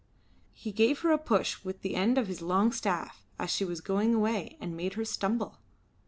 He gave her a push with the end of his long staff as she was going away and made her stumble.